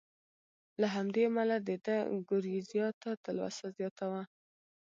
له همدې امله د ده ګورېزیا ته تلوسه زیاته وه.